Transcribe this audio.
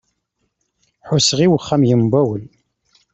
Ḥusseɣ i uxxam yembawel.